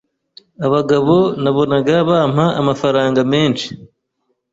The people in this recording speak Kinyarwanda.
abagabo nabonaga bampa amafaranga menshi